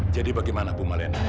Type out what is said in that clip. jadi bagaimana bumalena